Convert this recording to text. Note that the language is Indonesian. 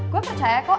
gue percaya kok